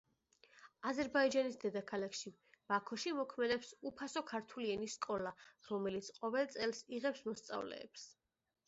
აზერბაიჯანის დედაქალაქში, ბაქოში მოქმედებს უფასო ქართული ენის სკოლა, რომელიც ყოველ წელს იღებს მოსწავლეებს.